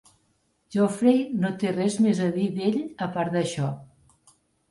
Geoffrey no té res més a dir d'ell a part d'això.